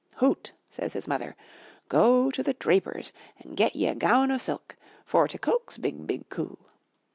"Hout!'* says his mother. Go to the Draper's and get ye a gown o' silk, for to coax BIG, BIG COO."